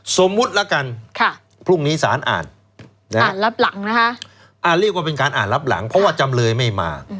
สมมติแล้วกันพรุ่งนี้ศาลอ่านเรียกว่าเป็นการอ่านรับหลังเพราะว่าจำเลยไม่มา